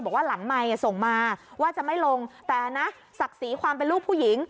หลังไมค์ส่งมาว่าจะไม่ลงแต่นะศักดิ์ศรีความเป็นลูกผู้หญิง